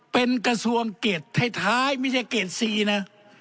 เป็นกระทรวงเกร็ดท้ายท้ายไม่ใช่เกร็ดสี่นะ